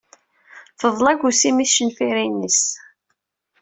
Teḍla agusim i tcenfirin-is.